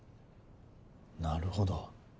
なるほど。